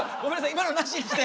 今のナシにして！